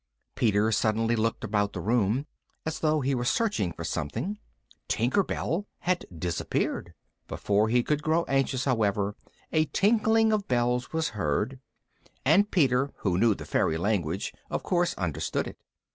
Peter suddenly looked about the room, as though he were searching for something. Tinker Bell had disappeared! Before he could grow anxious, however, a tinkling of bells was heard, and Peter, who knew the fairy language, of course understood it.